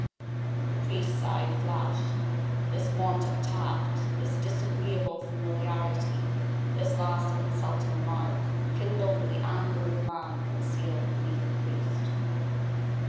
The priest's eye flashed. This want of tact, this disagreeable familiarity, this last insulting remark, kindled the anger of the man concealed beneath the priest.